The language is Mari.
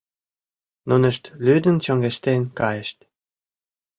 Нунышт лӱдын чоҥештен кайышт.